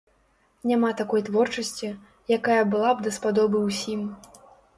Няма такой творчасці, якая была б даспадобы ўсім.